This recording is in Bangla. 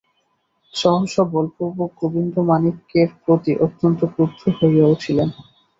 সহসা বলপূর্বক গোবিন্দমাণিক্যের প্রতি অত্যন্ত ক্রুদ্ধ হইয়া উঠিলেন।